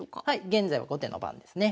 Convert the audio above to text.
現在は後手の番ですね。